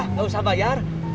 nggak usah bayar